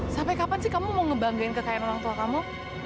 sampai kapan kamu mau membanggakan kekayaan orang tua kamu